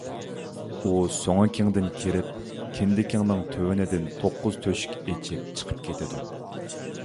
ئۇ سوڭۇڭدىن كىرىپ، كىندىكىڭنىڭ تۆۋىنىدىن توققۇز تۆشۈك ئېچىپ چىقىپ كېتىدۇ.